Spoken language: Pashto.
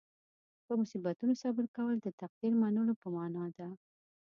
په مصیبتونو صبر کول د تقدیر منلو په معنې ده.